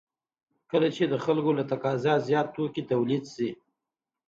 کله چې د خلکو له تقاضا زیات توکي تولید شي